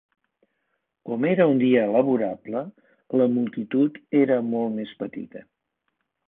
Com era un dia laborable, la multitud era molt més petita.